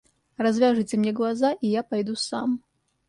Развяжите мне глаза и я пойду сам.